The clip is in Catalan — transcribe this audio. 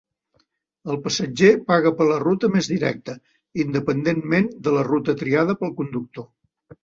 El passatger paga per la ruta més directa, independentment de la ruta triada pel conductor.